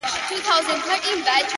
• که جوار غنم سي بند اووه کلونه ,